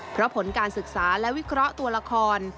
เพราะผลการศึกษาและวิเคราะห์ตัวละคร